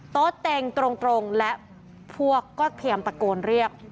โต๊ะเต็งตรงและพวกก็พยายามตะโกนเรียก